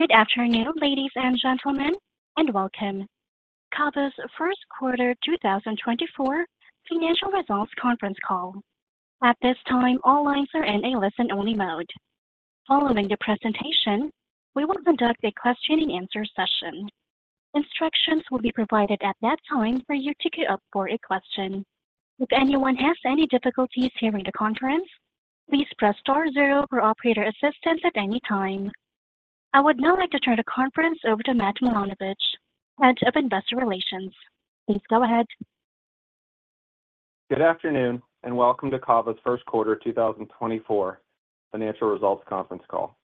Good afternoon, ladies and gentlemen, and welcome. CAVA's Q1 2024 Financial Results Conference Call. At this time, all lines are in a listen-only mode. Following the presentation, we will conduct a question-and-answer session. Instructions will be provided at that time for you to keep up for a question. If anyone has any difficulties hearing the conference, please press star zero for operator assistance at any time. I would now like to turn the conference over to Matt Milanovich, Head of Investor Relations. Please go ahead. Good afternoon and welcome to CAVA's first quarter 2024 financial results conference call.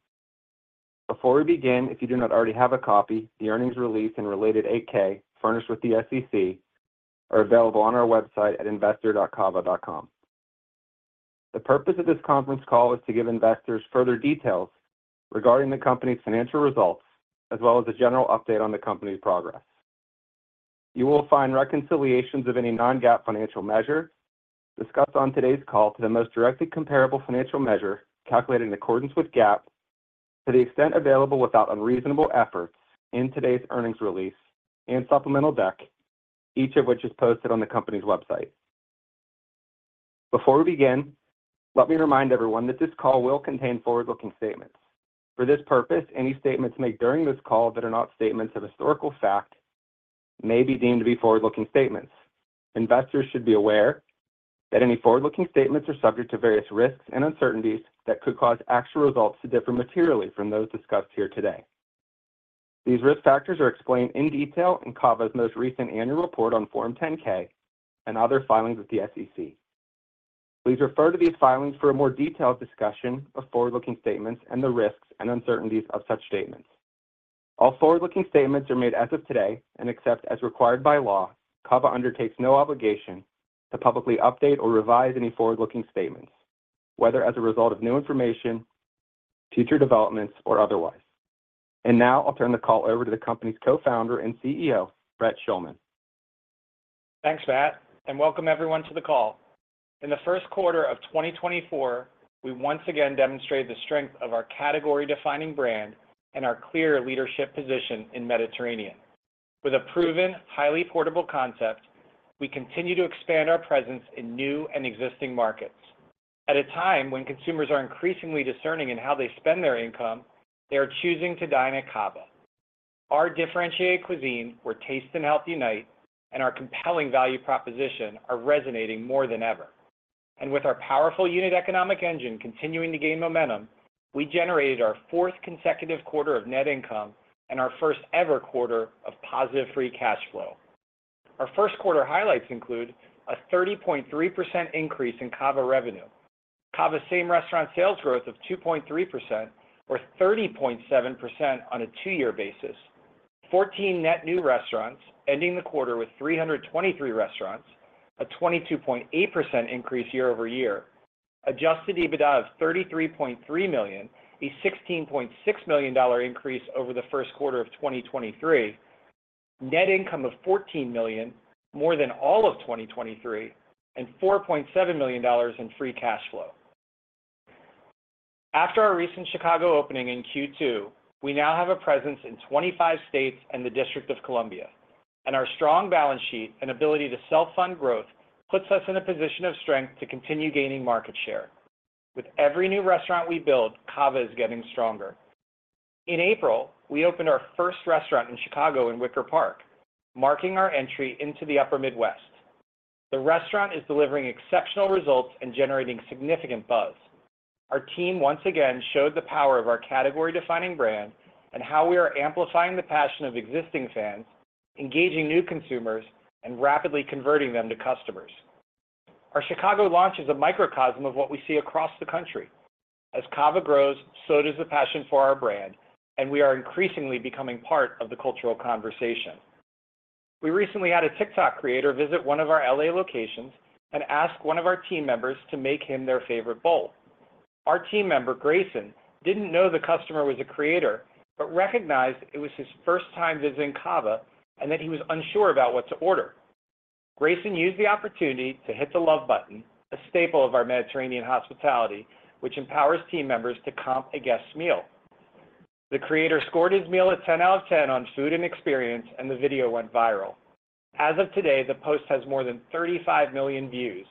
Before we begin, if you do not already have a copy, the earnings release and related 8K furnished with the SEC are available on our website at investor.cava.com. The purpose of this conference call is to give investors further details regarding the company's financial results as well as a general update on the company's progress. You will find reconciliations of any non-GAAP financial measure discussed on today's call to the most directly comparable financial measure calculated in accordance with GAAP to the extent available without unreasonable efforts in today's earnings release and supplemental deck, each of which is posted on the company's website. Before we begin, let me remind everyone that this call will contain forward-looking statements. For this purpose, any statements made during this call that are not statements of historical fact may be deemed to be forward-looking statements. Investors should be aware that any forward-looking statements are subject to various risks and uncertainties that could cause actual results to differ materially from those discussed here today. These risk factors are explained in detail in CAVA's most recent annual report on Form 10-K and other filings with the SEC. Please refer to these filings for a more detailed discussion of forward-looking statements and the risks and uncertainties of such statements. All forward-looking statements are made as of today, and except as required by law, CAVA undertakes no obligation to publicly update or revise any forward-looking statements, whether as a result of new information, future developments, or otherwise. Now I'll turn the call over to the company's Co-founder and CEO, Brett Schulman. Thanks, Matt, and welcome everyone to the call. In the first quarter of 2024, we once again demonstrated the strength of our category-defining brand and our clear leadership position in Mediterranean. With a proven, highly portable concept, we continue to expand our presence in new and existing markets. At a time when consumers are increasingly discerning in how they spend their income, they are choosing to dine at CAVA. Our differentiated cuisine, where taste and health unite, and our compelling value proposition are resonating more than ever. With our powerful unit economic engine continuing to gain momentum, we generated our fourth consecutive quarter of net income and our first-ever quarter of positive free cash flow. Our first quarter highlights include a 30.3% increase in CAVA revenue, CAVA same restaurant sales growth of 2.3%, or 30.7% on a two-year basis, 14 net new restaurants ending the quarter with 323 restaurants, a 22.8% increase year over year, Adjusted EBITDA of $33.3 million, a $16.6 million increase over the first quarter of 2023, net income of $14 million, more than all of 2023, and $4.7 million in free cash flow. After our recent Chicago opening in Q2, we now have a presence in 25 states and the District of Columbia. Our strong balance sheet and ability to self-fund growth puts us in a position of strength to continue gaining market share. With every new restaurant we build, CAVA is getting stronger. In April, we opened our first restaurant in Chicago in Wicker Park, marking our entry into the Upper Midwest. The restaurant is delivering exceptional results and generating significant buzz. Our team once again showed the power of our category-defining brand and how we are amplifying the passion of existing fans, engaging new consumers, and rapidly converting them to customers. Our Chicago launch is a microcosm of what we see across the country. As CAVA grows, so does the passion for our brand, and we are increasingly becoming part of the cultural conversation. We recently had a TikTok creator visit one of our LA locations and ask one of our team members to make him their favorite bowl. Our team member, Grayson, didn't know the customer was a creator but recognized it was his first time visiting CAVA and that he was unsure about what to order. Grayson used the opportunity to hit the love button, a staple of our Mediterranean hospitality, which empowers team members to comp a guest's meal. The creator scored his meal a 10 out of 10 on food and experience, and the video went viral. As of today, the post has more than 35 million views.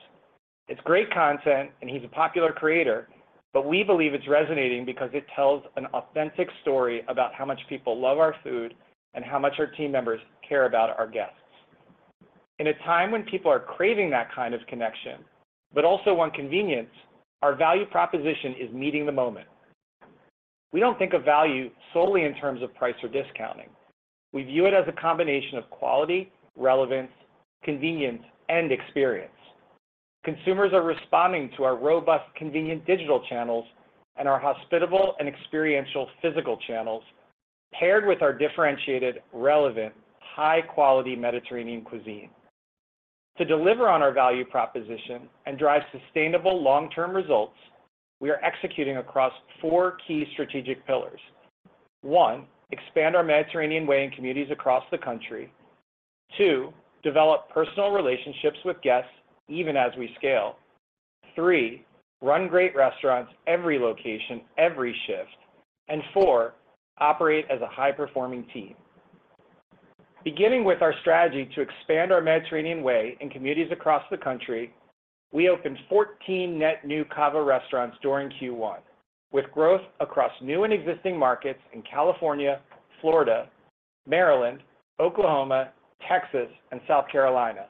It's great content, and he's a popular creator, but we believe it's resonating because it tells an authentic story about how much people love our food and how much our team members care about our guests. In a time when people are craving that kind of connection, but also on convenience, our value proposition is meeting the moment. We don't think of value solely in terms of price or discounting. We view it as a combination of quality, relevance, convenience, and experience. Consumers are responding to our robust, convenient digital channels and our hospitable and experiential physical channels, paired with our differentiated, relevant, high-quality Mediterranean cuisine. To deliver on our value proposition and drive sustainable, long-term results, we are executing across four key strategic pillars. One, expand our Mediterranean way in communities across the country. Two, develop personal relationships with guests even as we scale. Three, run great restaurants every location, every shift. And four, operate as a high-performing team. Beginning with our strategy to expand our Mediterranean way in communities across the country, we opened 14 net new CAVA restaurants during Q1, with growth across new and existing markets in California, Florida, Maryland, Oklahoma, Texas, and South Carolina.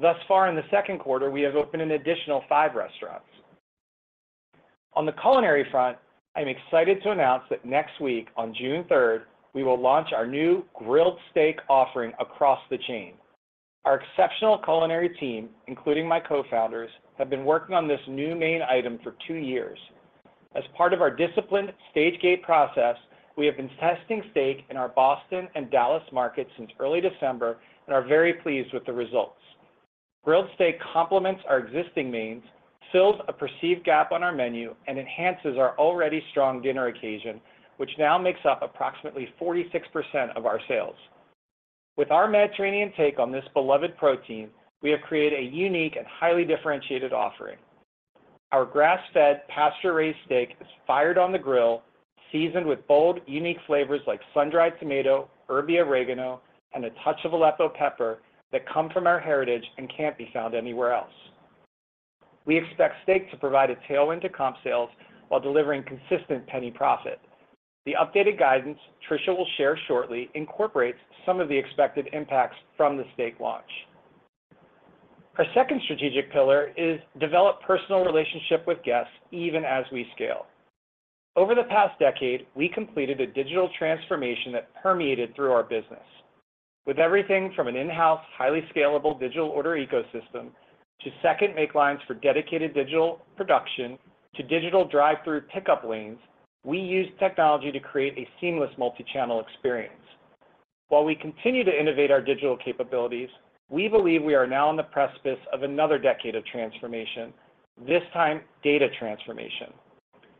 Thus far, in the second quarter, we have opened an additional five restaurants. On the culinary front, I am excited to announce that next week, on June 3rd, we will launch our new grilled steak offering across the chain. Our exceptional culinary team, including my co-founders, have been working on this new main item for 2 years. As part of our disciplined stage-gate process, we have been testing steak in our Boston and Dallas markets since early December, and are very pleased with the results. Grilled steak complements our existing mains, fills a perceived gap on our menu, and enhances our already strong dinner occasion, which now makes up approximately 46% of our sales. With our Mediterranean take on this beloved protein, we have created a unique and highly differentiated offering. Our grass-fed, pasture-raised steak is fired on the grill, seasoned with bold, unique flavors like sun-dried tomato, herbed oregano, and a touch of Aleppo pepper that come from our heritage and can't be found anywhere else. We expect steak to provide a tailwind to comp sales while delivering consistent penny profit. The updated guidance Tricia will share shortly incorporates some of the expected impacts from the steak launch. Our second strategic pillar is develop personal relationships with guests even as we scale. Over the past decade, we completed a digital transformation that permeated through our business. With everything from an in-house, highly scalable digital order ecosystem to second-make lines for dedicated digital production to digital drive-through pickup lanes, we used technology to create a seamless multi-channel experience. While we continue to innovate our digital capabilities, we believe we are now on the precipice of another decade of transformation, this time data transformation.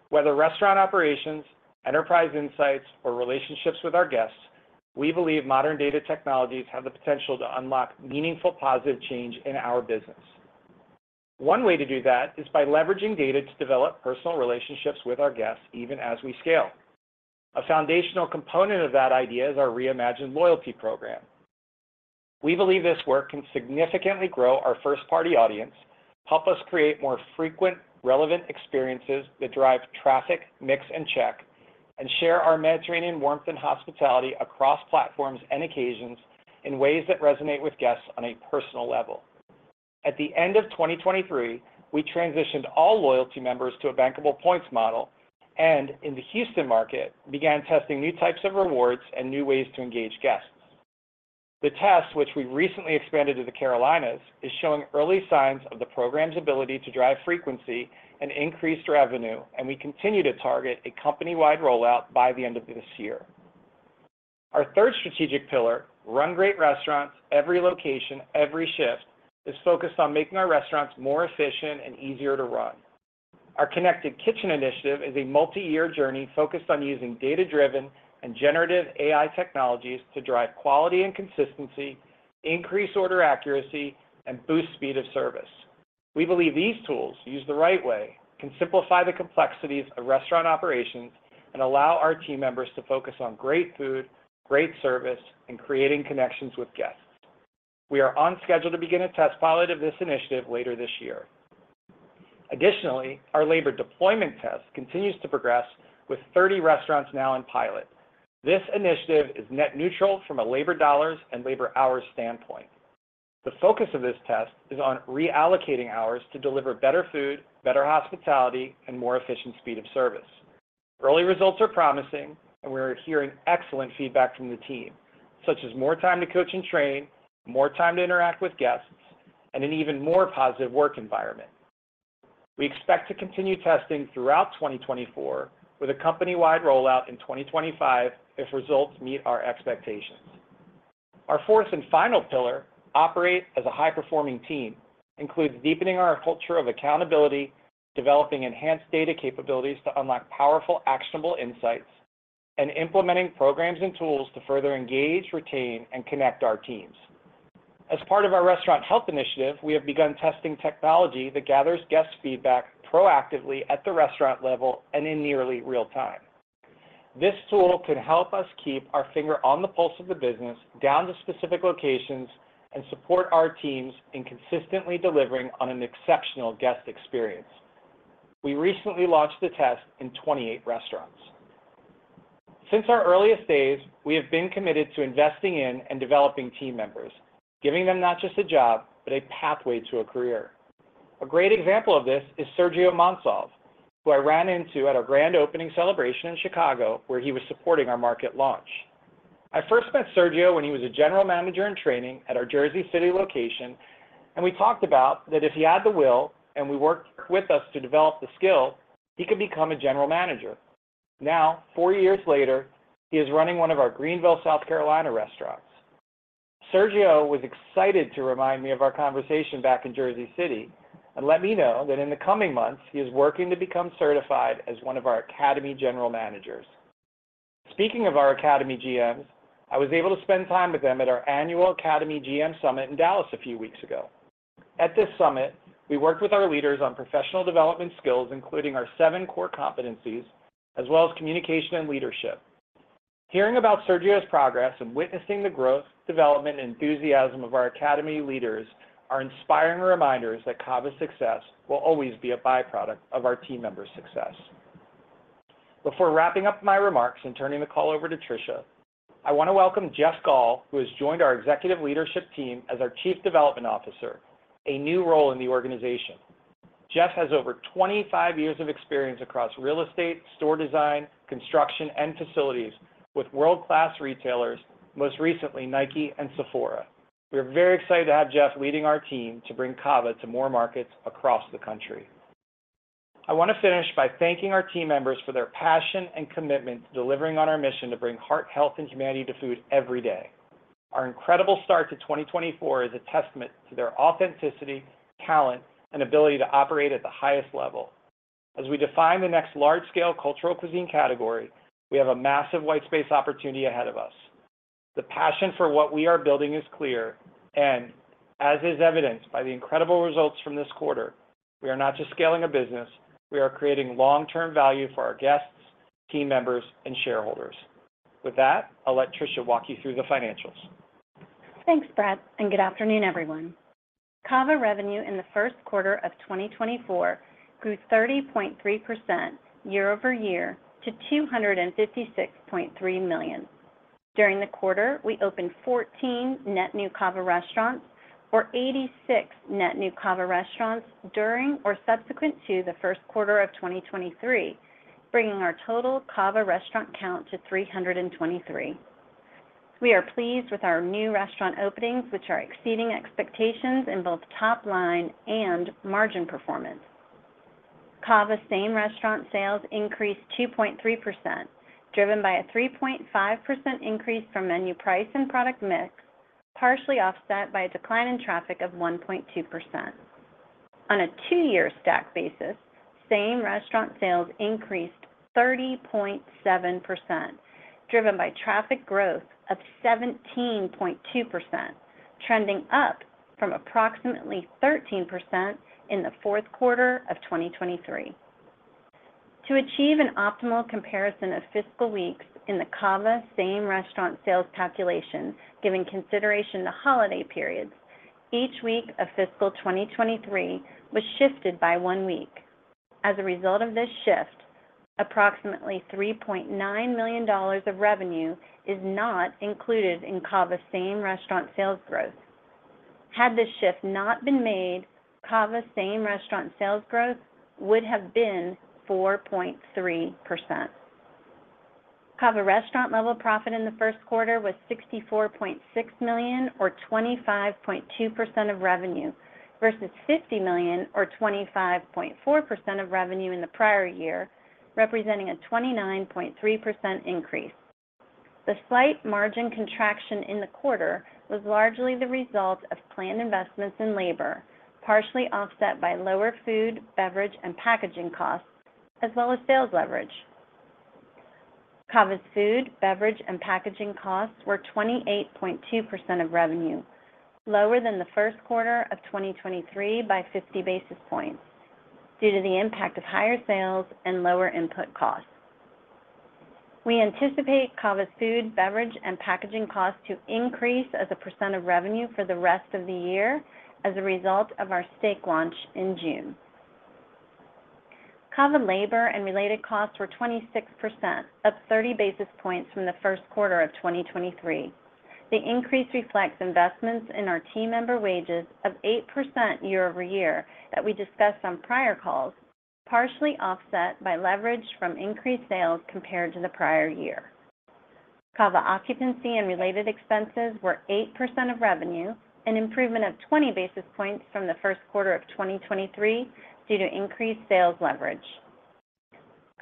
Whether restaurant operations, enterprise insights, or relationships with our guests, we believe modern data technologies have the potential to unlock meaningful, positive change in our business. One way to do that is by leveraging data to develop personal relationships with our guests even as we scale. A foundational component of that idea is our reimagined loyalty program. We believe this work can significantly grow our first-party audience, help us create more frequent, relevant experiences that drive traffic, mix, and check, and share our Mediterranean warmth and hospitality across platforms and occasions in ways that resonate with guests on a personal level. At the end of 2023, we transitioned all loyalty members to a bankable points model and, in the Houston market, began testing new types of rewards and new ways to engage guests. The test, which we recently expanded to the Carolinas, is showing early signs of the program's ability to drive frequency and increased revenue, and we continue to target a company-wide rollout by the end of this year. Our third strategic pillar, run great restaurants every location, every shift, is focused on making our restaurants more efficient and easier to run. Our Connected Kitchen Initiative is a multi-year journey focused on using data-driven and generative AI technologies to drive quality and consistency, increase order accuracy, and boost speed of service. We believe these tools, used the right way, can simplify the complexities of restaurant operations and allow our team members to focus on great food, great service, and creating connections with guests. We are on schedule to begin a test pilot of this initiative later this year. Additionally, our labor deployment test continues to progress with 30 restaurants now in pilot. This initiative is net neutral from a labor dollars and labor hours standpoint. The focus of this test is on reallocating hours to deliver better food, better hospitality, and more efficient speed of service. Early results are promising, and we're hearing excellent feedback from the team, such as more time to coach and train, more time to interact with guests, and an even more positive work environment. We expect to continue testing throughout 2024 with a company-wide rollout in 2025 if results meet our expectations. Our fourth and final pillar, operate as a high-performing team, includes deepening our culture of accountability, developing enhanced data capabilities to unlock powerful, actionable insights, and implementing programs and tools to further engage, retain, and connect our teams. As part of our restaurant health initiative, we have begun testing technology that gathers guest feedback proactively at the restaurant level and in nearly real time. This tool can help us keep our finger on the pulse of the business down to specific locations and support our teams in consistently delivering on an exceptional guest experience. We recently launched the test in 28 restaurants. Since our earliest days, we have been committed to investing in and developing team members, giving them not just a job, but a pathway to a career. A great example of this is Sergio Monsalve, who I ran into at our grand opening celebration in Chicago, where he was supporting our market launch. I first met Sergio when he was a general manager in training at our Jersey City location, and we talked about that if he had the will and we worked with us to develop the skill, he could become a general manager. Now, four years later, he is running one of our Greenville, South Carolina restaurants. Sergio was excited to remind me of our conversation back in Jersey City and let me know that in the coming months, he is working to become certified as one of our Academy General Managers. Speaking of our Academy GMs, I was able to spend time with them at our annual Academy GM Summit in Dallas a few weeks ago. At this summit, we worked with our leaders on professional development skills, including our seven core competencies, as well as communication and leadership. Hearing about Sergio's progress and witnessing the growth, development, and enthusiasm of our Academy leaders are inspiring reminders that CAVA's success will always be a byproduct of our team members' success. Before wrapping up my remarks and turning the call over to Tricia, I want to welcome Jeff Gaull, who has joined our executive leadership team as our Chief Development Officer, a new role in the organization. Jeff has over 25 years of experience across real estate, store design, construction, and facilities with world-class retailers, most recently Nike and Sephora. We are very excited to have Jeff leading our team to bring CAVA to more markets across the country. I want to finish by thanking our team members for their passion and commitment to delivering on our mission to bring heart, health, and humanity to food every day. Our incredible start to 2024 is a testament to their authenticity, talent, and ability to operate at the highest level. As we define the next large-scale cultural cuisine category, we have a massive white space opportunity ahead of us. The passion for what we are building is clear, and as is evidenced by the incredible results from this quarter, we are not just scaling a business. We are creating long-term value for our guests, team members, and shareholders. With that, I'll let Tricia walk you through the financials. Thanks, Brett, and good afternoon, everyone. CAVA revenue in the first quarter of 2024 grew 30.3% year-over-year to $256.3 million. During the quarter, we opened 14 net new CAVA restaurants, or 86 net new CAVA restaurants during or subsequent to the first quarter of 2023, bringing our total CAVA restaurant count to 323. We are pleased with our new restaurant openings, which are exceeding expectations in both top line and margin performance. CAVA's same restaurant sales increased 2.3%, driven by a 3.5% increase from menu price and product mix, partially offset by a decline in traffic of 1.2%. On a two-year stack basis, same restaurant sales increased 30.7%, driven by traffic growth of 17.2%, trending up from approximately 13% in the fourth quarter of 2023. To achieve an optimal comparison of fiscal weeks in the CAVA same restaurant sales calculation, given consideration to holiday periods, each week of fiscal 2023 was shifted by one week. As a result of this shift, approximately $3.9 million of revenue is not included in CAVA same restaurant sales growth. Had this shift not been made, CAVA same restaurant sales growth would have been 4.3%. CAVA restaurant-level profit in the first quarter was $64.6 million, or 25.2% of revenue, versus $50 million, or 25.4% of revenue in the prior year, representing a 29.3% increase. The slight margin contraction in the quarter was largely the result of planned investments in labor, partially offset by lower food, beverage, and packaging costs, as well as sales leverage. CAVA's food, beverage, and packaging costs were 28.2% of revenue, lower than the first quarter of 2023 by 50 basis points, due to the impact of higher sales and lower input costs. We anticipate CAVA's food, beverage, and packaging costs to increase as a percent of revenue for the rest of the year as a result of our steak launch in June. CAVA labor and related costs were 26%, up 30 basis points from the first quarter of 2023. The increase reflects investments in our team member wages of 8% year-over-year that we discussed on prior calls, partially offset by leverage from increased sales compared to the prior year. CAVA occupancy and related expenses were 8% of revenue, an improvement of 20 basis points from the first quarter of 2023 due to increased sales leverage.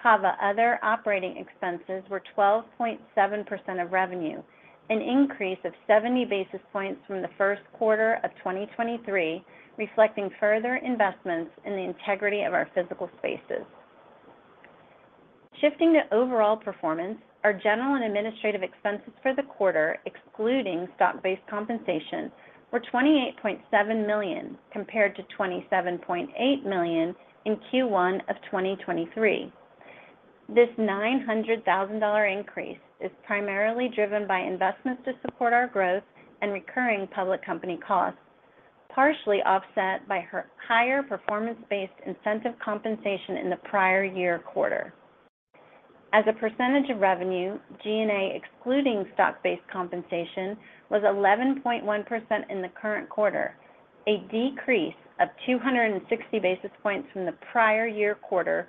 CAVA other operating expenses were 12.7% of revenue, an increase of 70 basis points from the first quarter of 2023, reflecting further investments in the integrity of our physical spaces. Shifting to overall performance, our general and administrative expenses for the quarter, excluding stock-based compensation, were $28.7 million compared to $27.8 million in Q1 of 2023. This $900,000 increase is primarily driven by investments to support our growth and recurring public company costs, partially offset by higher performance-based incentive compensation in the prior year quarter. As a percentage of revenue, G&A excluding stock-based compensation was 11.1% in the current quarter, a decrease of 260 basis points from the prior year quarter,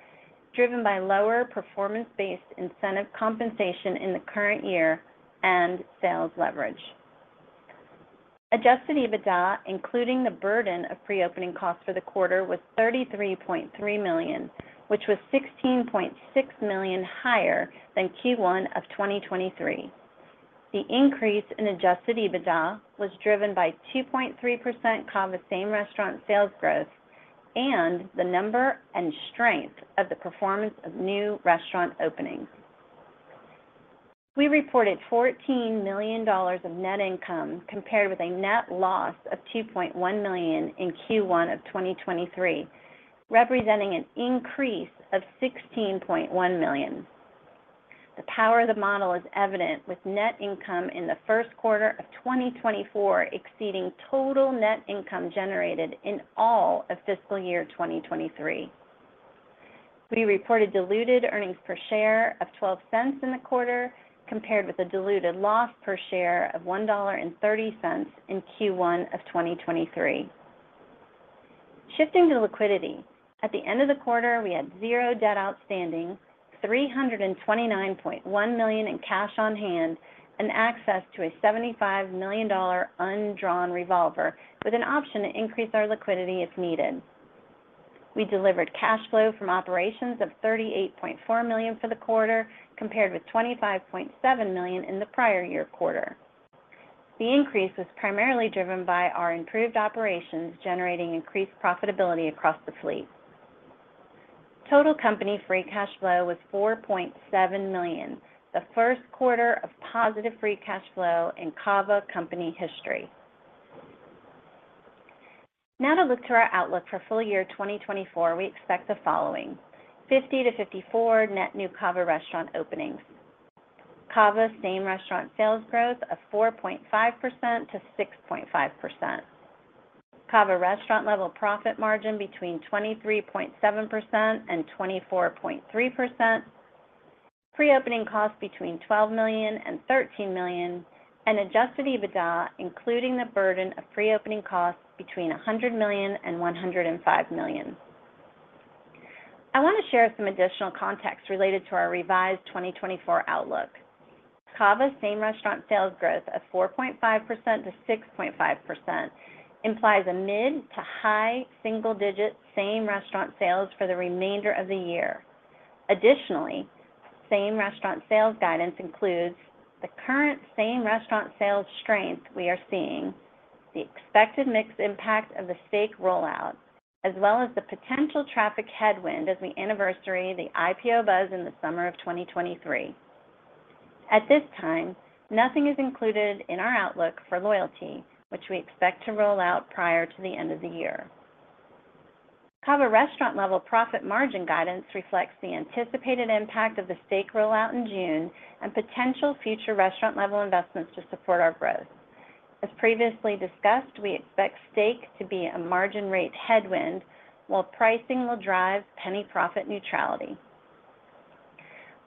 driven by lower performance-based incentive compensation in the current year and sales leverage. Adjusted EBITDA, including the burden of pre-opening costs for the quarter, was $33.3 million, which was $16.6 million higher than Q1 of 2023. The increase in adjusted EBITDA was driven by 2.3% CAVA same restaurant sales growth and the number and strength of the performance of new restaurant openings. We reported $14 million of net income compared with a net loss of $2.1 million in Q1 of 2023, representing an increase of $16.1 million. The power of the model is evident, with net income in the first quarter of 2024 exceeding total net income generated in all of fiscal year 2023. We reported diluted earnings per share of $0.12 in the quarter compared with a diluted loss per share of $1.30 in Q1 of 2023. Shifting to liquidity, at the end of the quarter, we had zero debt outstanding, $329.1 million in cash on hand, and access to a $75 million undrawn revolver with an option to increase our liquidity if needed. We delivered cash flow from operations of $38.4 million for the quarter compared with $25.7 million in the prior year quarter. The increase was primarily driven by our improved operations generating increased profitability across the fleet. Total company free cash flow was $4.7 million, the first quarter of positive free cash flow in CAVA company history. Now to look to our outlook for full year 2024, we expect the following: 50-54 net new CAVA restaurant openings, CAVA same-restaurant sales growth of 4.5%-6.5%, CAVA restaurant-level profit margin between 23.7% and 24.3%, pre-opening costs between $12 million and $13 million, and adjusted EBITDA including the burden of pre-opening costs between $100 million and $105 million. I want to share some additional context related to our revised 2024 outlook. CAVA same-restaurant sales growth of 4.5%-6.5% implies a mid- to high-single-digit same-restaurant sales for the remainder of the year. Additionally, Same Restaurant Sales guidance includes the current Same Restaurant Sales strength we are seeing, the expected mixed impact of the steak rollout, as well as the potential traffic headwind as we anniversary the IPO buzz in the summer of 2023. At this time, nothing is included in our outlook for loyalty, which we expect to roll out prior to the end of the year. CAVA Restaurant-Level Profit margin guidance reflects the anticipated impact of the steak rollout in June and potential future restaurant-level investments to support our growth. As previously discussed, we expect steak to be a margin rate headwind while pricing will drive penny profit neutrality.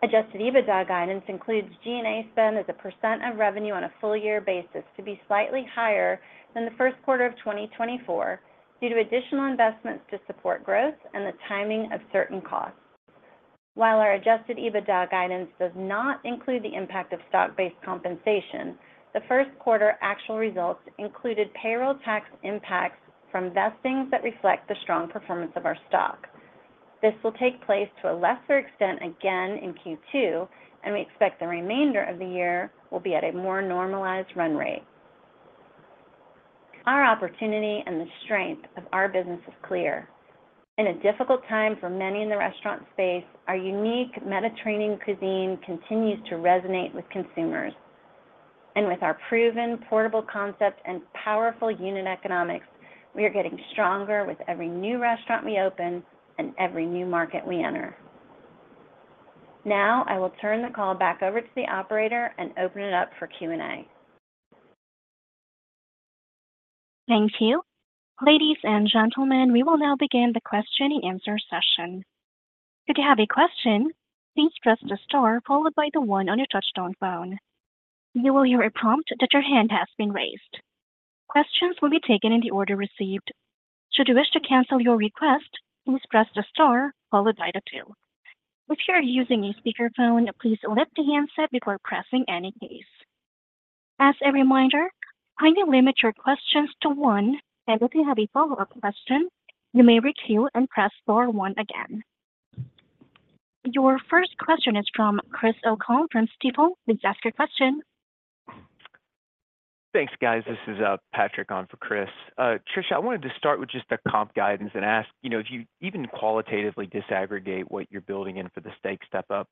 Adjusted EBITDA guidance includes G&A spend as a % of revenue on a full year basis to be slightly higher than the first quarter of 2024 due to additional investments to support growth and the timing of certain costs. While our Adjusted EBITDA guidance does not include the impact of stock-based compensation, the first quarter actual results included payroll tax impacts from vestings that reflect the strong performance of our stock. This will take place to a lesser extent again in Q2, and we expect the remainder of the year will be at a more normalized run rate. Our opportunity and the strength of our business is clear. In a difficult time for many in the restaurant space, our unique Mediterranean cuisine continues to resonate with consumers. And with our proven portable concept and powerful unit economics, we are getting stronger with every new restaurant we open and every new market we enter. Now I will turn the call back over to the operator and open it up for Q&A. Thank you. Ladies and gentlemen, we will now begin the question and answer session. If you have a question, please press the star followed by the one on your touch-tone phone. You will hear a prompt that your hand has been raised. Questions will be taken in the order received. Should you wish to cancel your request, please press the star followed by the two. If you are using a speakerphone, please lift the handset before pressing any keys. As a reminder, kindly limit your questions to one, and if you have a follow-up question, you may requeue and press star one again. Your first question is from Chris O'Cull, from Stifel. Please ask your question. Thanks, guys. This is Patrick on for Chris. Tricia, I wanted to start with just the comp guidance and ask, if you even qualitatively disaggregate what you're building in for the steak step-up,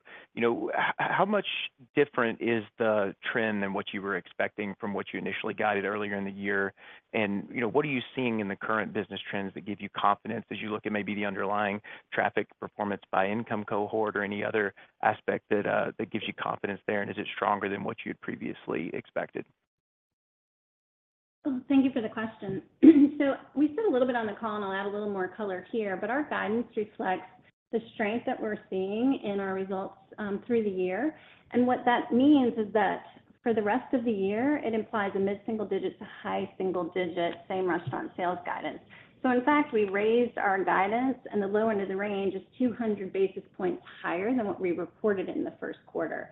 how much different is the trend than what you were expecting from what you initially guided earlier in the year? And what are you seeing in the current business trends that give you confidence as you look at maybe the underlying traffic performance by income cohort or any other aspect that gives you confidence there? And is it stronger than what you had previously expected? Thank you for the question. So we said a little bit on the call, and I'll add a little more color here, but our guidance reflects the strength that we're seeing in our results through the year. What that means is that for the rest of the year, it implies a mid-single-digit to high-single-digit same restaurant sales guidance. In fact, we raised our guidance, and the low end of the range is 200 basis points higher than what we reported in the first quarter.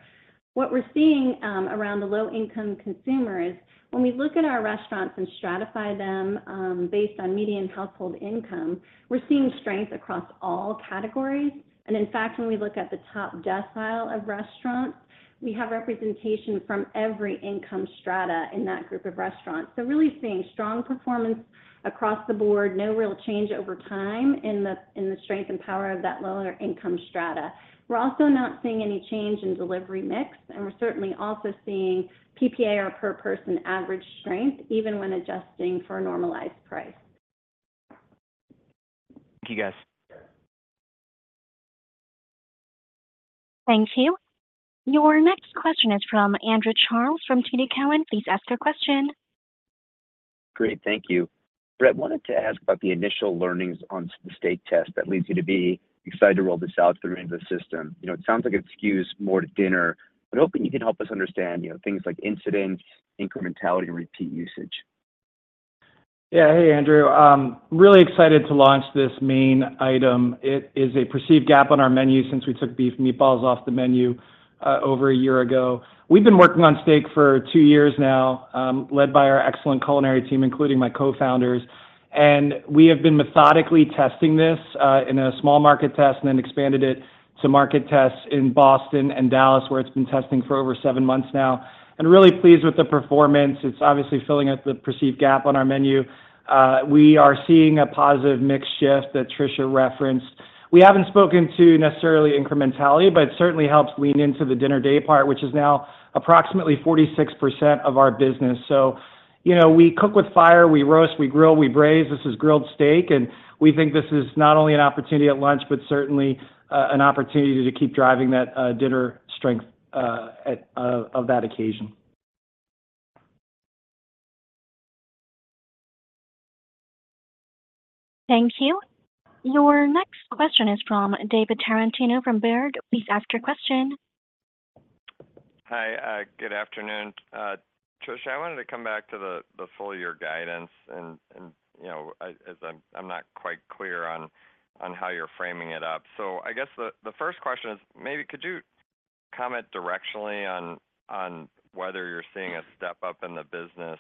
What we're seeing around the low-income consumer is when we look at our restaurants and stratify them based on median household income, we're seeing strength across all categories. In fact, when we look at the top decile of restaurants, we have representation from every income strata in that group of restaurants. Really seeing strong performance across the board, no real change over time in the strength and power of that lower-income strata. We're also not seeing any change in delivery mix, and we're certainly also seeing PPAR per person average strength even when adjusting for a normalized price. Thank you, guys. Thank you. Your next question is from Andrew Charles from TD Cowen. Please ask your question. Great. Thank you. Brett, wanted to ask about the initial learnings on the steak test that leads you to be excited to roll this out to the rings of the system. It sounds like it skews more to dinner. I'm hoping you can help us understand things like incidence, incrementality, and repeat usage. Yeah. Hey, Andrew. Really excited to launch this main item. It is a perceived gap on our menu since we took beef meatballs off the menu over a year ago. We've been working on steak for 2 years now, led by our excellent culinary team, including my co-founders. We have been methodically testing this in a small market test and then expanded it to market tests in Boston and Dallas, where it's been testing for over seven months now. Really pleased with the performance. It's obviously filling up the perceived gap on our menu. We are seeing a positive mix shift that Tricia referenced. We haven't spoken to necessarily incrementality, but it certainly helps lean into the dinner day part, which is now approximately 46% of our business. So we cook with fire, we roast, we grill, we braise. This is grilled steak. And we think this is not only an opportunity at lunch, but certainly an opportunity to keep driving that dinner strength of that occasion. Thank you. Your next question is from David Tarantino from Baird. Please ask your question. Hi. Good afternoon. Tricia, I wanted to come back to the full year guidance, as I'm not quite clear on how you're framing it up. So I guess the first question is, maybe could you comment directionally on whether you're seeing a step-up in the business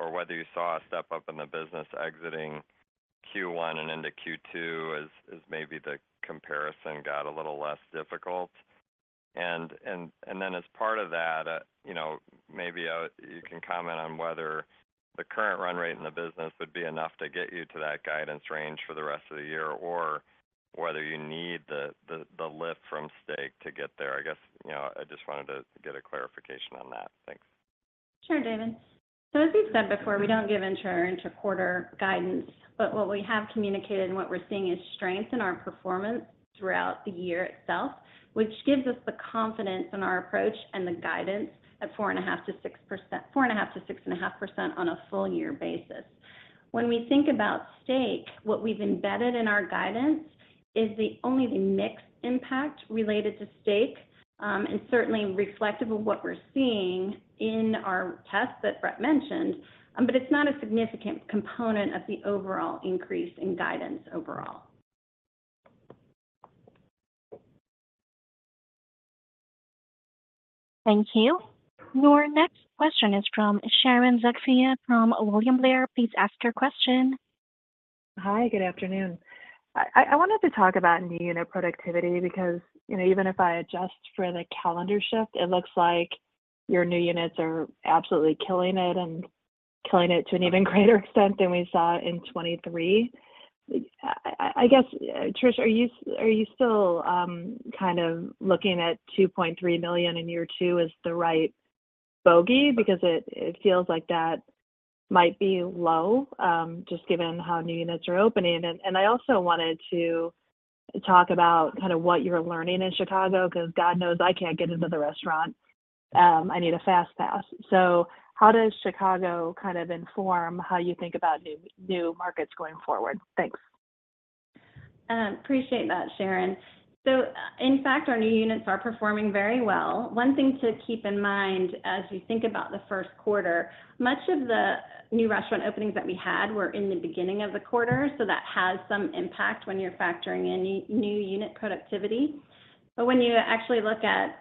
or whether you saw a step-up in the business exiting Q1 and into Q2 as maybe the comparison got a little less difficult? And then as part of that, maybe you can comment on whether the current run rate in the business would be enough to get you to that guidance range for the rest of the year or whether you need the lift from steak to get there. I guess I just wanted to get a clarification on that. Thanks. Sure, David. So as we've said before, we don't give inter-quarter guidance, but what we have communicated and what we're seeing is strength in our performance throughout the year itself, which gives us the confidence in our approach and the guidance at 4.5%-6.5% on a full year basis. When we think about steak, what we've embedded in our guidance is only the mixed impact related to steak and certainly reflective of what we're seeing in our tests that Brett mentioned, but it's not a significant component of the overall increase in guidance overall. Thank you. Your next question is from Sharon Zackfia from William Blair. Please ask your question. Hi. Good afternoon. I wanted to talk about new unit productivity because even if I adjust for the calendar shift, it looks like your new units are absolutely killing it and killing it to an even greater extent than we saw in 2023. I guess, Tricia, are you still kind of looking at $2.3 million in year two as the right bogey? Because it feels like that might be low just given how new units are opening. And I also wanted to talk about kind of what you're learning in Chicago because God knows I can't get into the restaurant. I need a fast pass. So how does Chicago kind of inform how you think about new markets going forward? Thanks. Appreciate that, Sharon. So in fact, our new units are performing very well. One thing to keep in mind as we think about the first quarter, much of the new restaurant openings that we had were in the beginning of the quarter. So that has some impact when you're factoring in new unit productivity. But when you actually look at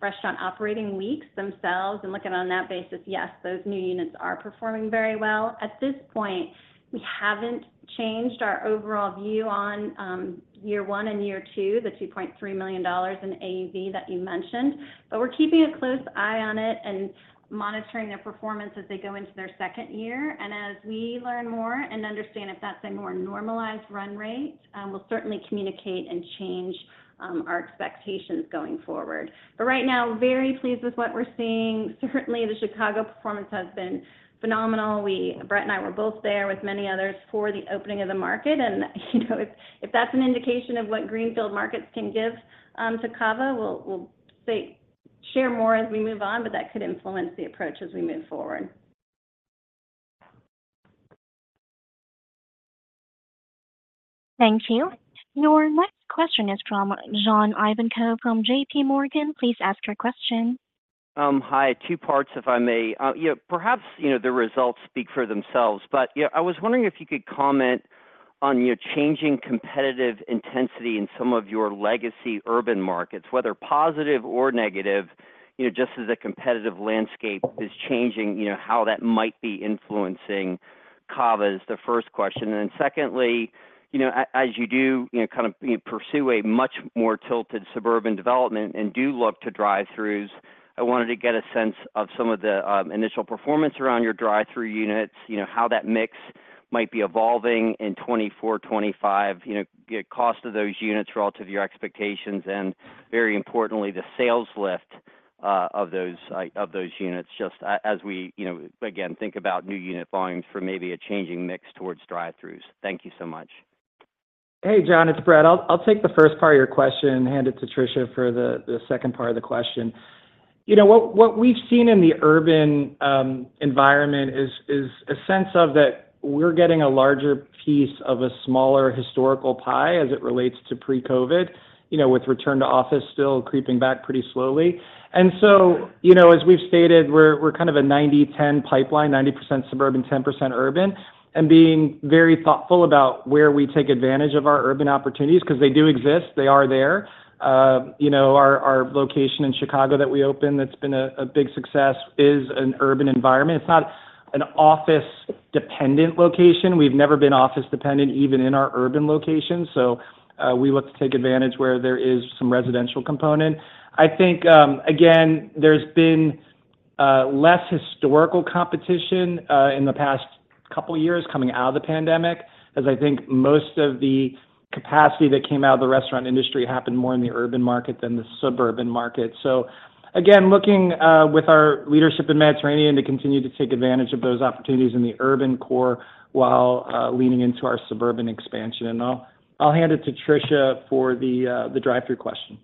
restaurant operating weeks themselves and look at it on that basis, yes, those new units are performing very well. At this point, we haven't changed our overall view on year one and year two, the $2.3 million in AUV that you mentioned, but we're keeping a close eye on it and monitoring their performance as they go into their second year. And as we learn more and understand if that's a more normalized run rate, we'll certainly communicate and change our expectations going forward. But right now, very pleased with what we're seeing. Certainly, the Chicago performance has been phenomenal. Brett and I were both there with many others for the opening of the market. If that's an indication of what Greenfield markets can give to CAVA, we'll share more as we move on, but that could influence the approach as we move forward. Thank you. Your next question is from John Ivankoe from J.P. Morgan. Please ask your question. Hi. Two parts, if I may. Perhaps the results speak for themselves, but I was wondering if you could comment on changing competitive intensity in some of your legacy urban markets, whether positive or negative, just as the competitive landscape is changing, how that might be influencing CAVA is the first question. And then secondly, as you do kind of pursue a much more tilted suburban development and do look to drive-throughs, I wanted to get a sense of some of the initial performance around your drive-through units, how that mix might be evolving in 2024, 2025, the cost of those units relative to your expectations, and very importantly, the sales lift of those units just as we, again, think about new unit volumes for maybe a changing mix towards drive-throughs? Thank you so much. Hey, John. It's Brett. I'll take the first part of your question and hand it to Tricia for the second part of the question. What we've seen in the urban environment is a sense of that we're getting a larger piece of a smaller historical pie as it relates to pre-COVID, with return to office still creeping back pretty slowly. As we've stated, we're kind of a 90-10 pipeline, 90% suburban, 10% urban, and being very thoughtful about where we take advantage of our urban opportunities because they do exist. They are there. Our location in Chicago that we opened that's been a big success is an urban environment. It's not an office-dependent location. We've never been office-dependent even in our urban locations. We look to take advantage where there is some residential component. I think, again, there's been less historical competition in the past couple of years coming out of the pandemic as I think most of the capacity that came out of the restaurant industry happened more in the urban market than the suburban market. Again, looking with our leadership in Mediterranean to continue to take advantage of those opportunities in the urban core while leaning into our suburban expansion. I'll hand it to Tricia for the drive-through question.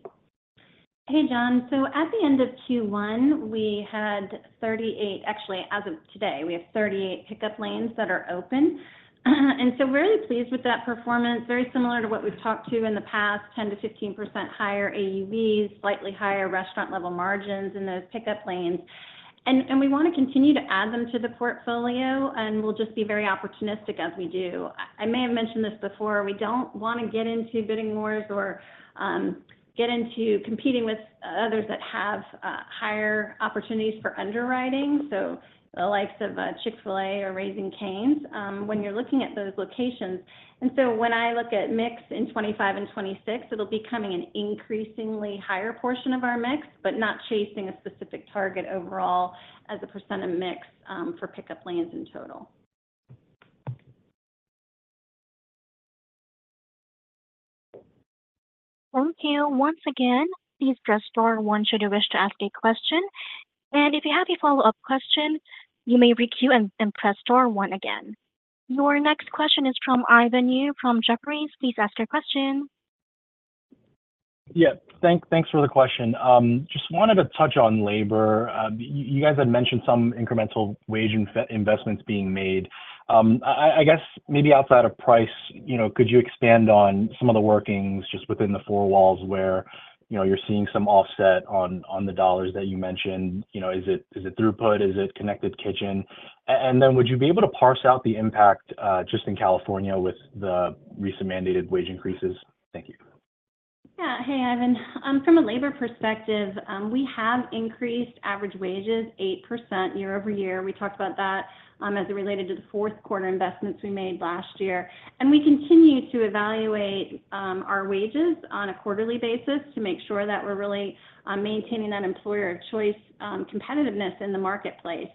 Hey, John. So at the end of Q1, we had 38, actually, as of today, we have 38 pickup lanes that are open. And so really pleased with that performance, very similar to what we've talked to in the past, 10%-15% higher AUVs, slightly higher restaurant-level margins in those pickup lanes. And we want to continue to add them to the portfolio, and we'll just be very opportunistic as we do. I may have mentioned this before. We don't want to get into bidding wars or get into competing with others that have higher opportunities for underwriting, so the likes of Chick-fil-A or Raising Cane's, when you're looking at those locations. And so when I look at mix in 2025 and 2026, it'll be coming an increasingly higher portion of our mix, but not chasing a specific target overall as a % of mix for pickup lanes in total. Thank you once again. Please press star one should you wish to ask a question. And if you have a follow-up question, you may requeue and press star one again. Your next question is from Ivan Yu from Jefferies. Please ask your question. Yeah. Thanks for the question. Just wanted to touch on labor. You guys had mentioned some incremental wage investments being made. I guess maybe outside of price, could you expand on some of the workings just within the four walls where you're seeing some offset on the dollars that you mentioned? Is it throughput? Is it Connected Kitchen? Would you be able to parse out the impact just in California with the recent mandated wage increases? Thank you. Yeah. Hey, Ivan. From a labor perspective, we have increased average wages 8% year-over-year. We talked about that as it related to the fourth quarter investments we made last year. We continue to evaluate our wages on a quarterly basis to make sure that we're really maintaining that employer of choice competitiveness in the marketplace.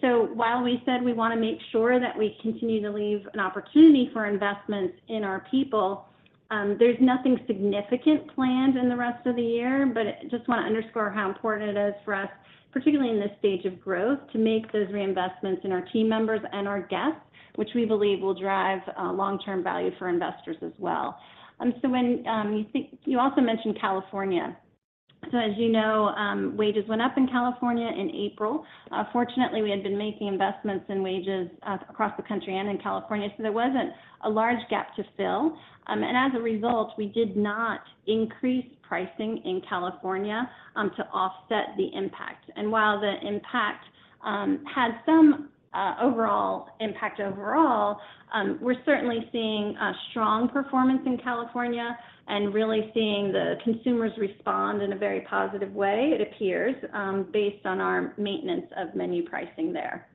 So while we said we want to make sure that we continue to leave an opportunity for investments in our people, there's nothing significant planned in the rest of the year. But I just want to underscore how important it is for us, particularly in this stage of growth, to make those reinvestments in our team members and our guests, which we believe will drive long-term value for investors as well. So when you think you also mentioned California. So as you know, wages went up in California in April. Fortunately, we had been making investments in wages across the country and in California. So there wasn't a large gap to fill. And as a result, we did not increase pricing in California to offset the impact. And while the impact had some overall impact overall, we're certainly seeing strong performance in California and really seeing the consumers respond in a very positive way, it appears, based on our maintenance of menu pricing there.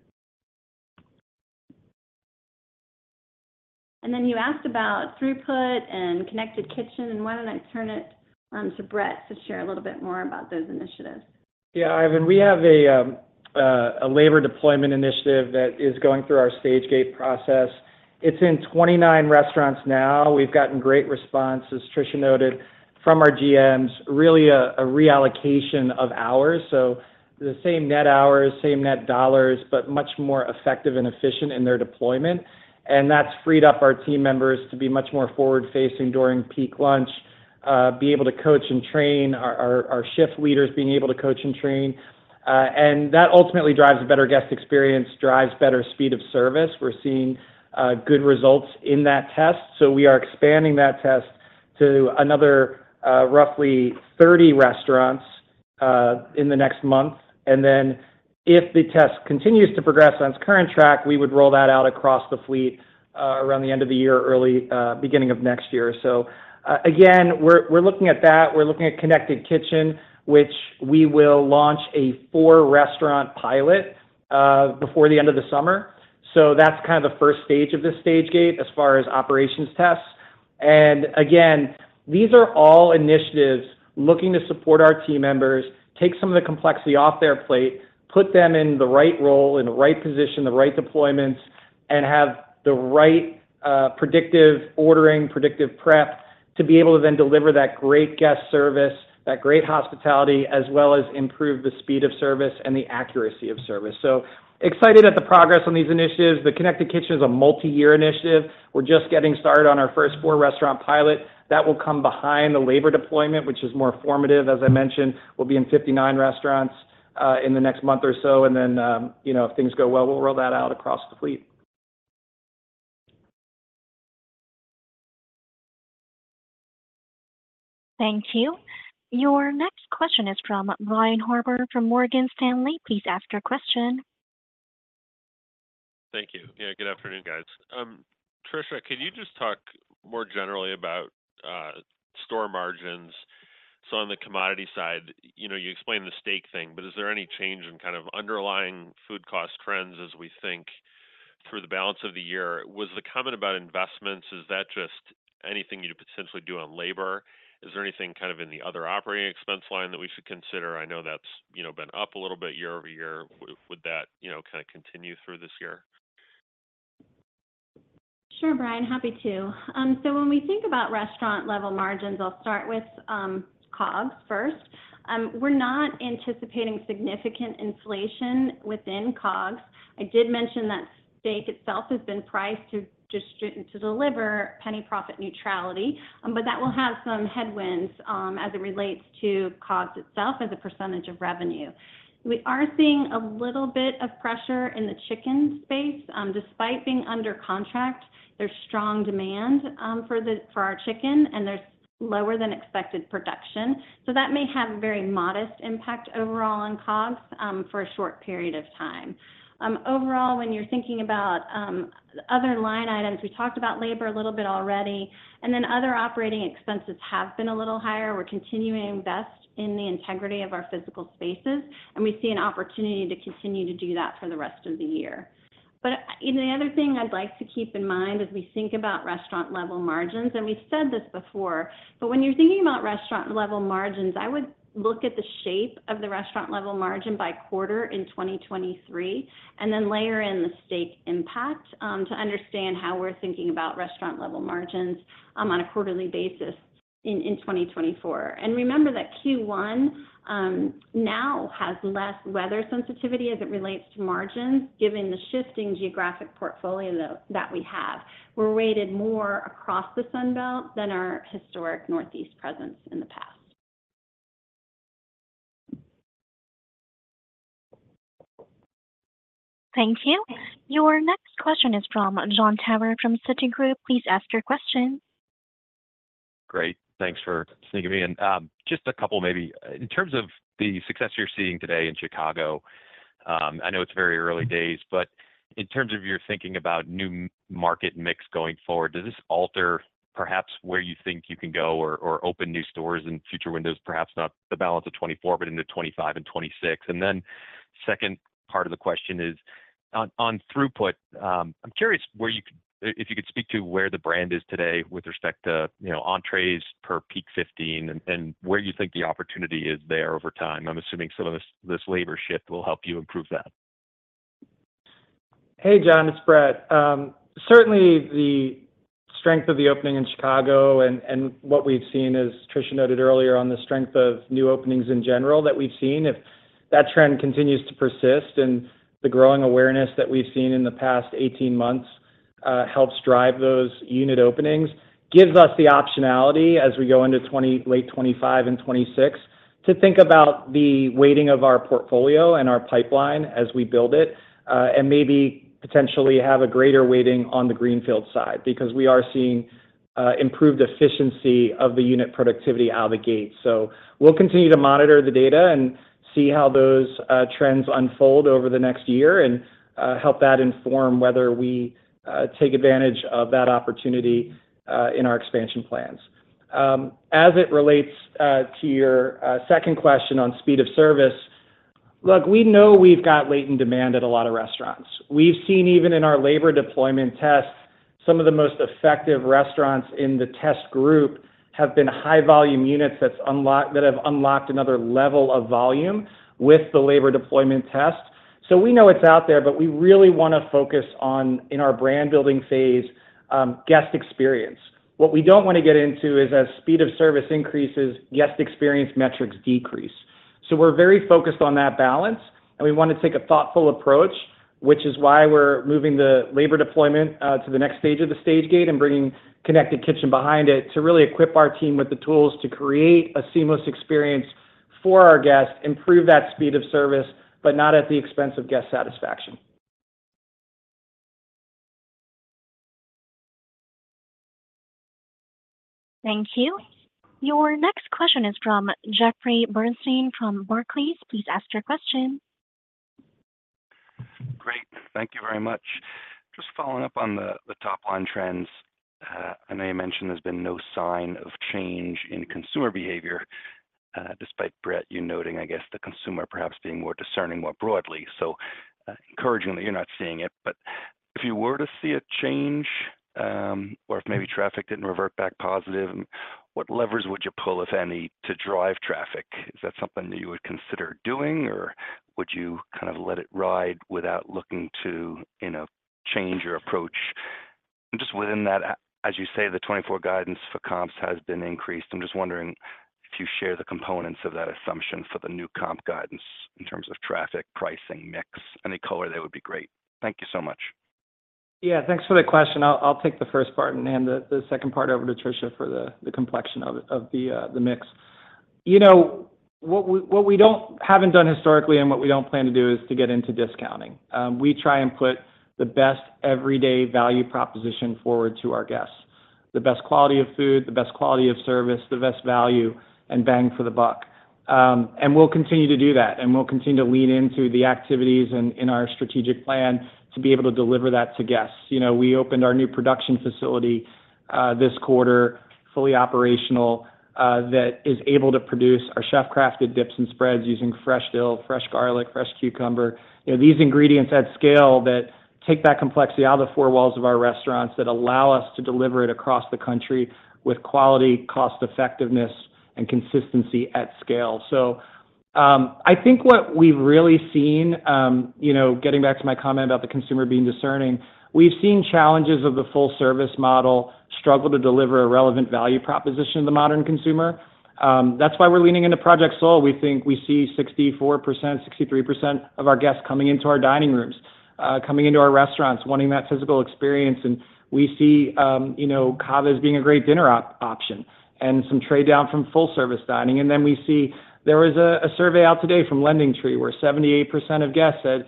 And then you asked about throughput and Connected Kitchen. Why don't I turn it to Brett to share a little bit more about those initiatives? Yeah, Ivan. We have a labor deployment initiative that is going through our Sage-Gate process. It's in 29 restaurants now. We've gotten great response, as Tricia noted, from our GMs, really a reallocation of hours. So the same net hours, same net dollars, but much more effective and efficient in their deployment. And that's freed up our team members to be much more forward-facing during peak lunch, be able to coach and train our shift leaders, being able to coach and train. And that ultimately drives a better guest experience, drives better speed of service. We're seeing good results in that test. So we are expanding that test to another roughly 30 restaurants in the next month. If the test continues to progress on its current track, we would roll that out across the fleet around the end of the year, early beginning of next year. So again, we're looking at that. We're looking at Connected Kitchen, which we will launch a 4-restaurant pilot before the end of the summer. So that's kind of the first stage of this Stage-Gate as far as operations tests. And again, these are all initiatives looking to support our team members, take some of the complexity off their plate, put them in the right role, in the right position, the right deployments, and have the right predictive ordering, predictive prep to be able to then deliver that great guest service, that great hospitality, as well as improve the speed of service and the accuracy of service. So excited at the progress on these initiatives. The Connected Kitchen is a multi-year initiative. We're just getting started on our first four-restaurant pilot. That will come behind the labor deployment, which is more formative, as I mentioned, will be in 59 restaurants in the next month or so. And then if things go well, we'll roll that out across the fleet. Thank you. Your next question is from Brian Harbour from Morgan Stanley. Please ask your question. Thank you. Yeah, good afternoon, guys. Tricia, could you just talk more generally about store margins? So on the commodity side, you explained the steak thing, but is there any change in kind of underlying food cost trends as we think through the balance of the year? Was the comment about investments, is that just anything you'd potentially do on labor? Is there anything kind of in the other operating expense line that we should consider? I know that's been up a little bit year-over-year. Would that kind of continue through this year? Sure, Brian. Happy to. So when we think about restaurant-level margins, I'll start with COGS first. We're not anticipating significant inflation within COGS. I did mention that steak itself has been priced to deliver penny-profit neutrality, but that will have some headwinds as it relates to COGS itself as a percentage of revenue. We are seeing a little bit of pressure in the chicken space. Despite being under contract, there's strong demand for our chicken, and there's lower than expected production. So that may have a very modest impact overall on COGS for a short period of time. Overall, when you're thinking about other line items, we talked about labor a little bit already, and then other operating expenses have been a little higher. We're continuing to invest in the integrity of our physical spaces, and we see an opportunity to continue to do that for the rest of the year. But the other thing I'd like to keep in mind as we think about restaurant-level margins, and we've said this before, but when you're thinking about restaurant-level margins, I would look at the shape of the restaurant-level margin by quarter in 2023 and then layer in the steak impact to understand how we're thinking about restaurant-level margins on a quarterly basis in 2024. And remember that Q1 now has less weather sensitivity as it relates to margins given the shifting geographic portfolio that we have. We're weighted more across the Sunbelt than our historic Northeast presence in the past. Thank you. Your next question is from Jon Tower from Citigroup. Please ask your question. Great. Thanks for sneaking me in. Just a couple maybe. In terms of the success you're seeing today in Chicago, I know it's very early days, but in terms of your thinking about new market mix going forward, does this alter perhaps where you think you can go or open new stores in future windows, perhaps not the balance of 2024, but in the 2025 and 2026? Then second part of the question is on throughput, I'm curious if you could speak to where the brand is today with respect to entrées per peak 15 and where you think the opportunity is there over time. I'm assuming some of this labor shift will help you improve that. Hey, John. It's Brett. Certainly, the strength of the opening in Chicago and what we've seen, as Tricia noted earlier on the strength of new openings in general that we've seen, if that trend continues to persist and the growing awareness that we've seen in the past 18 months helps drive those unit openings, gives us the optionality as we go into late 2025 and 2026 to think about the weighting of our portfolio and our pipeline as we build it and maybe potentially have a greater weighting on the greenfield side because we are seeing improved efficiency of the unit productivity out of the gate. So we'll continue to monitor the data and see how those trends unfold over the next year and help that inform whether we take advantage of that opportunity in our expansion plans. As it relates to your second question on speed of service, look, we know we've got latent demand at a lot of restaurants. We've seen even in our labor deployment test, some of the most effective restaurants in the test group have been high-volume units that have unlocked another level of volume with the labor deployment test. So we know it's out there, but we really want to focus on, in our brand-building phase, guest experience. What we don't want to get into is, as speed of service increases, guest experience metrics decrease. So we're very focused on that balance, and we want to take a thoughtful approach, which is why we're moving the labor deployment to the next stage of the Stage-Gate and bringing Connected Kitchen behind it to really equip our team with the tools to create a seamless experience for our guests, improve that speed of service, but not at the expense of guest satisfaction. Thank you. Your next question is from Jeffrey Bernstein from Barclays. Please ask your question. Great. Thank you very much. Just following up on the top-line trends, I know you mentioned there's been no sign of change in consumer behavior, despite Brett you noting, I guess, the consumer perhaps being more discerning more broadly. So encouraging that you're not seeing it. But if you were to see a change or if maybe traffic didn't revert back positive, what levers would you pull, if any, to drive traffic? Is that something that you would consider doing, or would you kind of let it ride without looking to change your approach? And just within that, as you say, the 2024 guidance for comps has been increased. I'm just wondering if you share the components of that assumption for the new comp guidance in terms of traffic, pricing, mix. Any color there would be great. Thank you so much. Yeah, thanks for the question. I'll take the first part and hand the second part over to Tricia for the components of the mix. You know what we haven't done historically and what we don't plan to do is to get into discounting. We try and put the best everyday value proposition forward to our guests: the best quality of food, the best quality of service, the best value, and bang for the buck. We'll continue to do that, and we'll continue to lean into the activities in our strategic plan to be able to deliver that to guests. We opened our new production facility this quarter. Fully operational, that is able to produce our chef-crafted dips and spreads using fresh dill, fresh garlic, fresh cucumber. These ingredients at scale that take that complexity out of the four walls of our restaurants that allow us to deliver it across the country with quality, cost-effectiveness, and consistency at scale. So I think what we've really seen, getting back to my comment about the consumer being discerning, we've seen challenges of the full-service model struggle to deliver a relevant value proposition to the modern consumer. That's why we're leaning into Project Soul. We think we see 64%, 63% of our guests coming into our dining rooms, coming into our restaurants, wanting that physical experience. And we see CAVA as being a great dinner option and some trade-down from full-service dining. And then we see there was a survey out today from LendingTree where 78% of guests said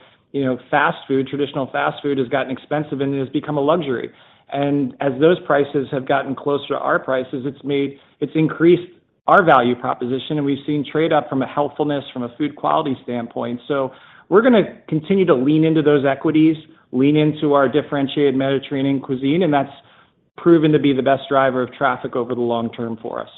fast food, traditional fast food, has gotten expensive and it has become a luxury. And as those prices have gotten closer to our prices, it's increased our value proposition, and we've seen trade-up from a healthfulness, from a food quality standpoint. So we're going to continue to lean into those equities, lean into our differentiated Mediterranean cuisine, and that's proven to be the best driver of traffic over the long term for us.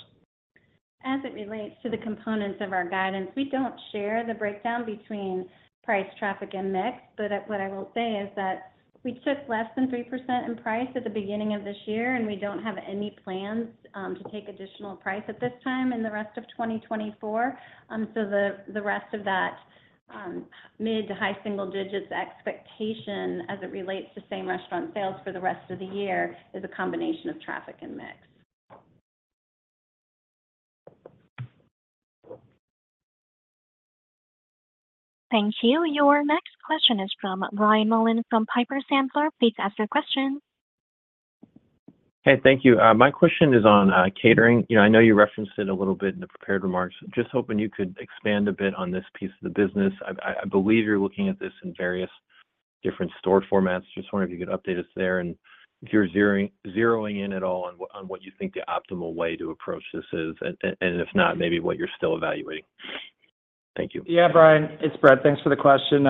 As it relates to the components of our guidance, we don't share the breakdown between price, traffic, and mix. But what I will say is that we took less than 3% in price at the beginning of this year, and we don't have any plans to take additional price at this time in the rest of 2024. So the rest of that mid to high single-digit expectation as it relates to same-restaurant sales for the rest of the year is a combination of traffic and mix. Thank you. Your next question is from Brian Mullan from Piper Sandler. Please ask your question. Hey, thank you. My question is on catering. I know you referenced it a little bit in the prepared remarks. Just hoping you could expand a bit on this piece of the business. I believe you're looking at this in various different store formats. Just wondering if you could update us there and if you're zeroing in at all on what you think the optimal way to approach this is, and if not, maybe what you're still evaluating. Thank you. Yeah, Brian. It's Brett. Thanks for the question.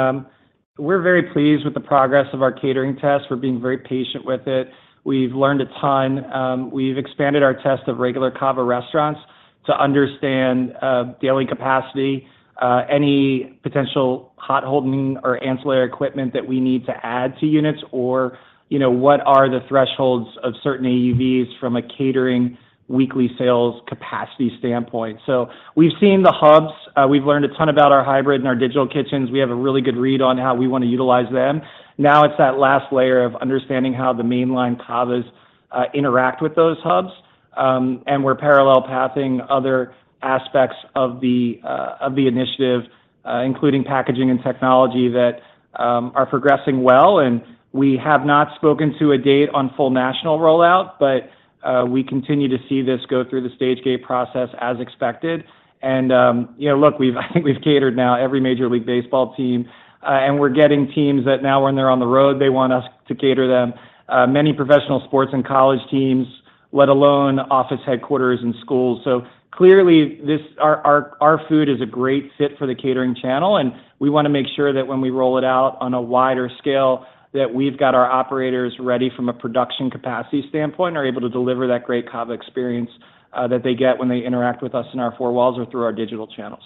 We're very pleased with the progress of our catering test. We're being very patient with it. We've learned a ton. We've expanded our test of regular CAVA restaurants to understand daily capacity, any potential hot-holding or ancillary equipment that we need to add to units, or what are the thresholds of certain AUVs from a catering weekly sales capacity standpoint. So we've seen the hubs. We've learned a ton about our hybrid and our digital kitchens. We have a really good read on how we want to utilize them. Now it's that last layer of understanding how the mainline CAVAs interact with those hubs. We're parallel pathing other aspects of the initiative, including packaging and technology, that are progressing well. We have not spoken to a date on full national rollout, but we continue to see this go through the Stage-Gate process as expected. Look, I think we've catered now every Major League Baseball team, and we're getting teams that now when they're on the road, they want us to cater them. Many professional sports and college teams, let alone office headquarters and schools. So clearly, our food is a great fit for the catering channel, and we want to make sure that when we roll it out on a wider scale, that we've got our operators ready from a production capacity standpoint and are able to deliver that great CAVA experience that they get when they interact with us in our four walls or through our digital channels.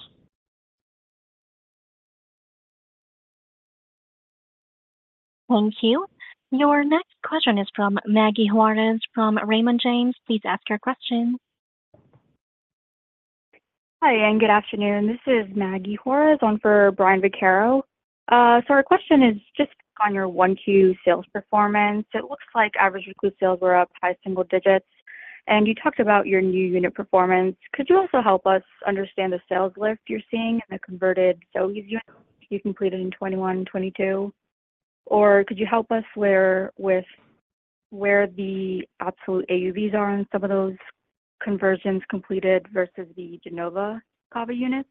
Thank you. Your next question is from Maggie Juarez from Raymond James. Please ask your question. Hi and good afternoon. This is Maggie Juarez, on for Brian Vaccaro. So our question is just on your Q1 sales performance. It looks like average unit sales were up high single digits, and you talked about your new unit performance. Could you also help us understand the sales lift you're seeing in the converted Zoës units you completed in 2021, 2022? Or could you help us with where the absolute AUVs are in some of those conversions completed versus the de novo CAVA units?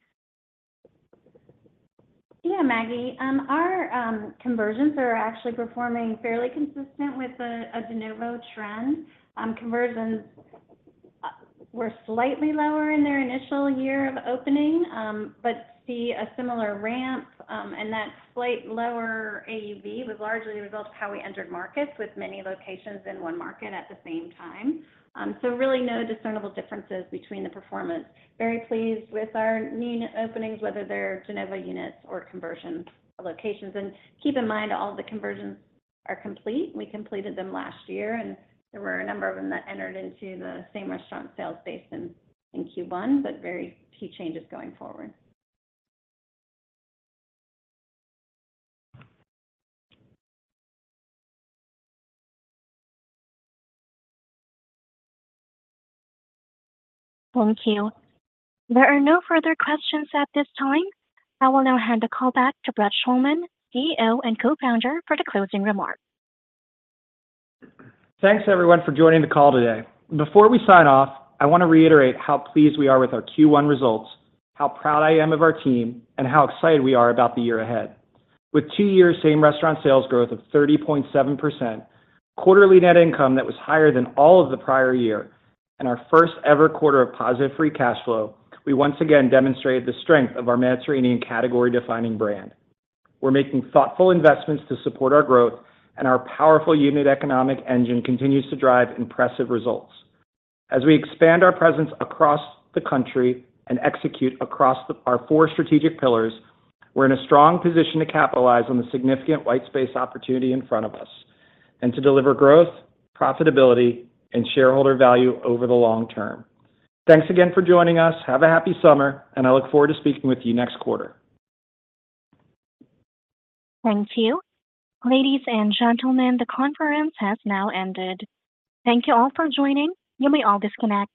Yeah, Maggie. Our conversions are actually performing fairly consistent with a de novo trend. Conversions were slightly lower in their initial year of opening, but see a similar ramp, and that slight lower AUV was largely the result of how we entered markets with many locations in one market at the same time. So really no discernible differences between the performance. Very pleased with our new unit openings, whether they're de novo units or conversion locations. And keep in mind all of the conversions are complete. We completed them last year, and there were a number of them that entered into the same restaurant sales base in Q1, but very few changes going forward. Thank you. There are no further questions at this time. I will now hand the call back to Brett Schulman, CEO and co-founder, for the closing remarks. Thanks, everyone, for joining the call today. Before we sign off, I want to reiterate how pleased we are with our Q1 results, how proud I am of our team, and how excited we are about the year ahead. With two-year same-restaurant sales growth of 30.7%, quarterly net income that was higher than all of the prior year, and our first-ever quarter of positive free cash flow, we once again demonstrated the strength of our Mediterranean category-defining brand. We're making thoughtful investments to support our growth, and our powerful unit economic engine continues to drive impressive results. As we expand our presence across the country and execute across our four strategic pillars, we're in a strong position to capitalize on the significant white space opportunity in front of us and to deliver growth, profitability, and shareholder value over the long term. Thanks again for joining us. Have a happy summer, and I look forward to speaking with you next quarter. Thank you. Ladies and gentlemen, the conference has now ended. Thank you all for joining. You may all disconnect.